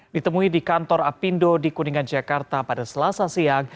ditemui di kantor apindo di kuningan jakarta pada selasa siang